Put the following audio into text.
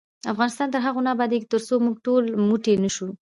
افغانستان تر هغو نه ابادیږي، ترڅو موږ ټول یو موټی نشو.